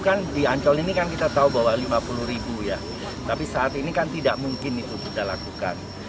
kan di ancol ini kan kita tahu bahwa lima puluh ribu ya tapi saat ini kan tidak mungkin itu kita lakukan